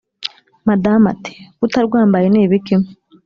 madame ati"kutarwambaye nibiki?"